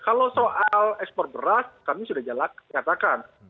kalau soal ekspor beras kami sudah jelaskan